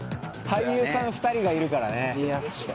俳優さん２人がいるからね。